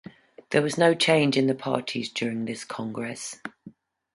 There was no change in the parties during this Congress.